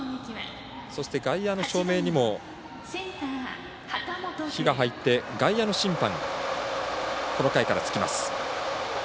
外野の照明にも灯が入って外野の審判、この回からつきます。